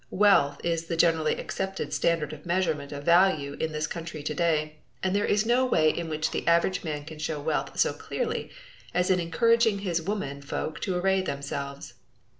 Wealth is the generally accepted standard of measurement of value in this country to day, and there is no way in which the average man can show wealth so clearly as in encouraging his women folk to array themselves.